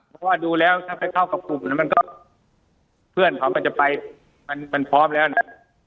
เพราะว่าดูแล้วถ้าไปเข้ากับกลุ่มนั้นมันก็เพื่อนเขาก็จะไปมันพร้อมแล้วนะ